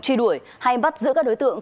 truy đuổi hay bắt giữa các đối tượng